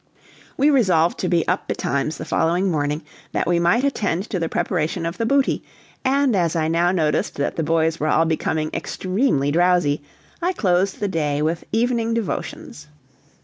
We resolved to be up betimes the following morning, that we might attend to the preparation of the booty, and as I now noticed that the boys were all becoming extremely drowsy, I closed the day with evening devotions.